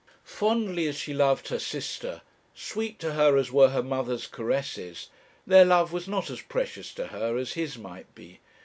Fondly as she loved her sister, sweet to her as were her mother's caresses, their love was not as precious to her as his might be.